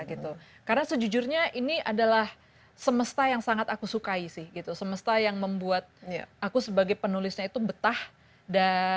gitu karena sejujurnya ini adalah semesta yang sangat aku sukai sih gitu semesta yang membuat aku